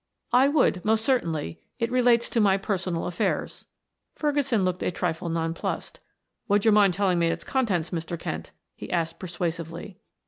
"I would, most certainly; it relates to my personal affairs." Ferguson looked a trifle non plussed. "Would you mind telling me its contents, Mr. Kent?" he asked persuasively.